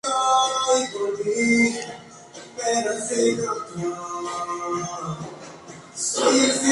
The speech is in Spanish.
Han ganado dos Ligas holandesa, dos Copas holandesas y dos Ligas BeNe.